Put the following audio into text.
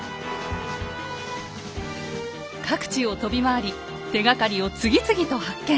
各地を飛び回り手がかりを次々と発見！